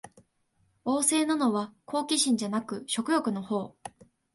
旺盛なのは好奇心じゃなく食欲のほう